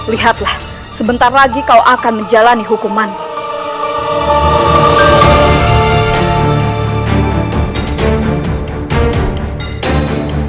lihatlah sebentar lagi kau akan menjalani hukuman